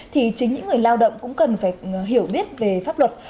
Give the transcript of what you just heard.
thì chính những người lao động cũng cần phải hiểu biết về pháp luật